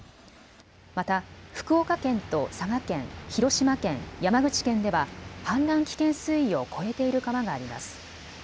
また福岡県と佐賀県、広島県、山口県では氾濫危険水位を超えている川があります。